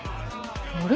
あれ？